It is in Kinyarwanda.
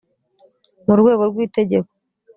mu rwego rw itegeko